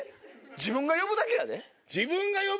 自分が呼ぶだけやで？